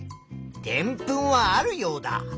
でんぷんはあるヨウダ。